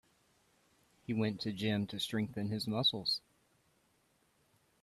He went to gym to strengthen his muscles.